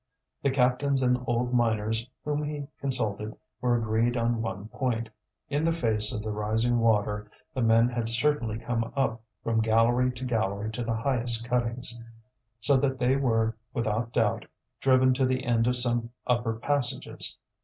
The captains and old miners whom he consulted were agreed on one point: in the face of the rising water the men had certainly come up from gallery to gallery to the highest cuttings, so that they were, without doubt, driven to the end of some upper passages.